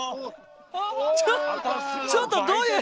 ちょちょっとどういう。